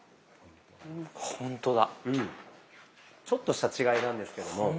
ちょっとした違いなんですけども。